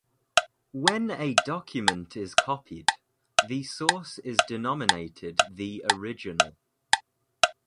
When a document is copied, the source is denominated the "original".